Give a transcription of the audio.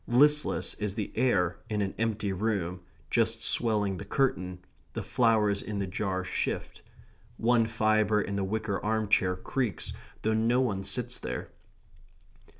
Listless is the air in an empty room, just swelling the curtain; the flowers in the jar shift. One fibre in the wicker arm chair creaks, though no one sits there.